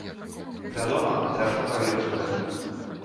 Вядома, цяжка паверыць у гэта.